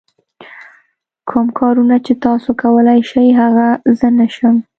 کوم کارونه چې تاسو کولای شئ هغه زه نه شم.